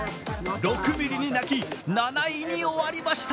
６ｍｍに泣き、７位に終わりました。